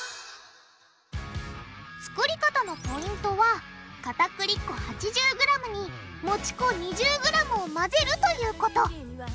作り方のポイントはかたくり粉８０ｇにもち粉２０ｇを混ぜるということ。